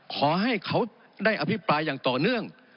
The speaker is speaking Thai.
ขอให้เขาได้อภิปรายอย่างต่อเนื่อง